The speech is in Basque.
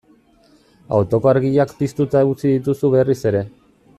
Autoko argiak piztuta utzi dituzu berriz ere.